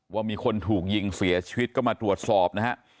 ว่ามีคนถูกยิงเสียชีวิตก็มาตรวจสอบนะฮะ